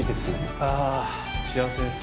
ああ、幸せです。